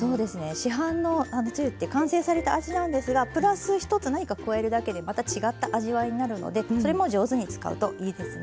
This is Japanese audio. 市販のつゆって完成された味なんですがプラス１つ何か加えるだけでまた違った味わいになるのでそれも上手に使うといいですね。